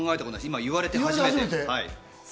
今言われて初めて。